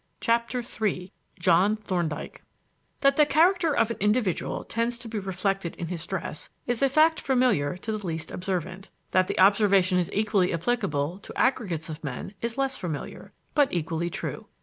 CHAPTER III JOHN THORNDYKE That the character of an individual tends to be reflected in his dress is a fact familiar to the least observant. That the observation is equally applicable to aggregates of men is less familiar, but equally true.